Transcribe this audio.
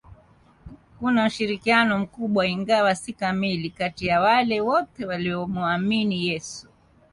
Kuna ushirikiano mkubwa ingawa si kamili kati ya wale wote waliomuamini Yesu